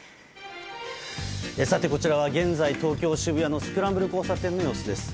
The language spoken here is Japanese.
こちらは現在の東京・渋谷のスクランブル交差点の様子です。